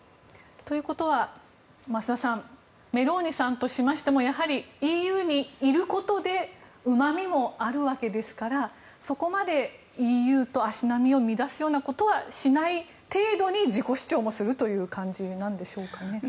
ということは、増田さんメローニさんとしましてもやはり、ＥＵにいることでうまみもあるわけですからそこまでＥＵと足並みを乱すようなことはしない程度に自己主張もするという感じなんでしょうかね。